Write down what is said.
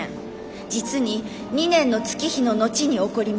実に２年の月日の後に起こりました」。